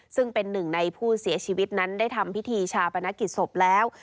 ซึ่งเป็นหนึ่งในผู้เสียชีวิตนั้นได้ทำพิธีชาปนกิจศพแล้ว